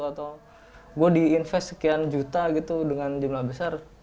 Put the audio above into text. atau gue diinvest sekian juta gitu dengan jumlah besar